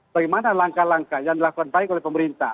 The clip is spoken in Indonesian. bagaimana langkah langkah yang dilakukan baik oleh pemerintah